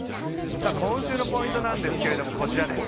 今週のポイントなんですけどこちらです。